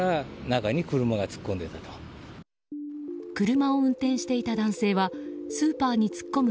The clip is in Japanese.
車を運転していた男性はスーパーに突っ込む